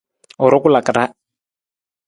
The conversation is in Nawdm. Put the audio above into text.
U rukulaka ra.